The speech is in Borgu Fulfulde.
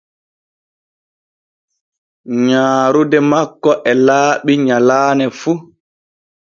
Nyaaruɗe makko e laaɓi nyallane fu.